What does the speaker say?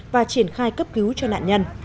và triển khai cấp cứu cho nạn nhân